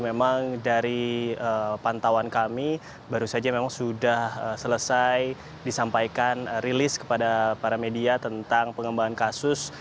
memang dari pantauan kami baru saja memang sudah selesai disampaikan rilis kepada para media tentang pengembangan kasus